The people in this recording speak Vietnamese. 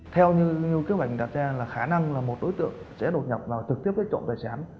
theo như kế hoạch đặt ra là khả năng là một đối tượng sẽ đột nhập vào trực tiếp trộm tài sản